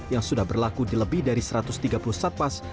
yang sudah berlaku di lebih dari satu ratus tiga puluh satpas